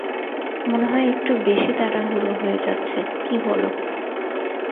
মনে হয় একটু বেশি তাড়াহুড়ো হয়ে যাচ্ছে, কী বলো?